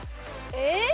えっ！？